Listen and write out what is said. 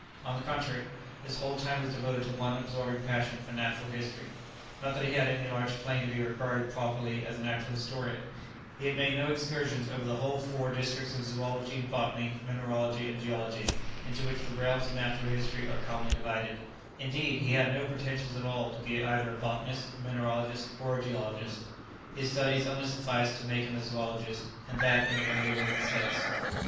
On the contrary, his whole time was devoted to one absorbing passion for natural history. Not that he had any large claim to be regarded properly as a natural historian; he had made no excursions over the whole four districts of zoology, botany, mineralogy, and geology, into which the realms of natural history are commonly divided; indeed, he had no pretensions at all to be either a botanist, a mineralogist, or a geologist; his studies only sufficed to make him a zoologist, and that in a very limited sense.